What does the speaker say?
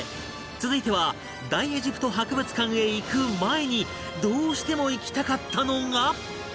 続いては大エジプト博物館へ行く前にどうしても行きたかったのが